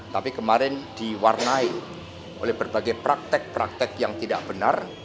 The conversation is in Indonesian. tapi kemarin diwarnai oleh berbagai praktek praktek yang tidak benar